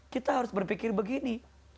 kita harus berpikir begini